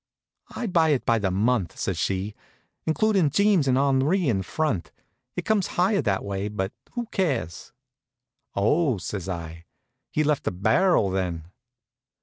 "I buy it by the month," says she, "including Jeems and Henri in front. It comes higher that way; but who cares?" "Oh," says I, "he left a barrel, then?"